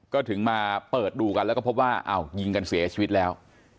ก็ถึงมาเปิดดูกันแล้วก็พบว่าอ้าวยิงกันเสียชีวิตแล้ว